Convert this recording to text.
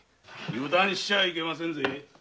油断しちゃいけませんぜ。